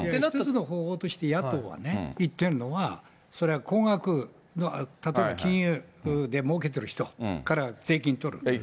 １つの方法として野党はね、言ってるのは、それは高額、例えば金融でもうけているひとから税金取る。